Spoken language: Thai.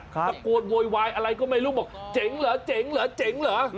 ตะโกนโวยวายอะไรก็ไม่รู้บอกเจ๋งเหรอเจ๋งเหรอเจ๋งเหรอ